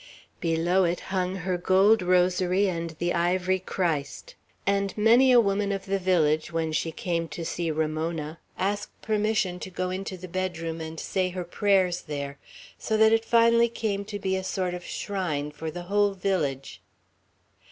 Below it hung her gold rosary and the ivory Christ; and many a woman of the village, when she came to see Ramona, asked permission to go into the bedroom and say her prayers there; so that it finally came to be a sort of shrine for the whole village.